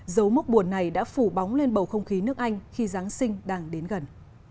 dấu mốc buồn này đã phủ bóng lên bầu không khí nước anh khi giáng sinh đang đến gần